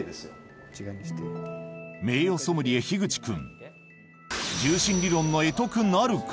名誉ソムリエひぐち君